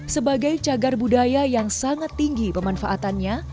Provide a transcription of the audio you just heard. sebagai cagar budaya yang sangat tinggi pemanfaatannya